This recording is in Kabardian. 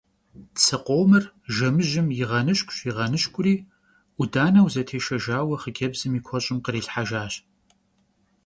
Tsı khomır jjemıjım yiğenışk'uş, yiğenışk'uri 'Udaneu zetêşşejjaue xhıcebzım yi kueş'ım khrilhhejjaş.